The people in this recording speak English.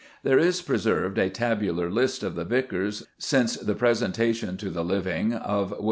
There is preserved a tabular list of the vicars since the presentation to the living of Wm.